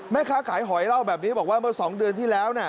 แม่ค้าขายหอยเล่าแบบนี้บอกว่าเมื่อ๒เดือนที่แล้วนะ